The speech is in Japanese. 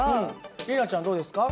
里奈ちゃんどうですか？